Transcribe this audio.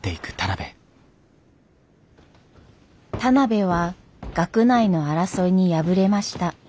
田邊は学内の争いに敗れました。